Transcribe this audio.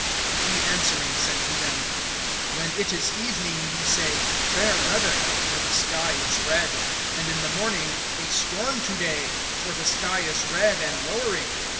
(2)And he answering said to them: When it is evening, ye say: Fair weather! for the sky is red. (3)And in the morning: A storm to day! for the sky is red and lowering.